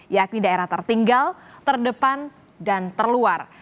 yakni daerah tertinggal terdepan dan terluar